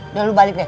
udah lu balik deh